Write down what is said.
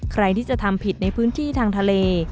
ใครที่จะทำผิดในพื้นที่ทางทะเล